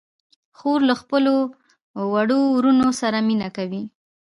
خور له خپلو وړو وروڼو سره مینه کوي.